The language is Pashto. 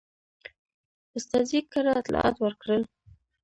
استازي کره اطلاعات ورکړل.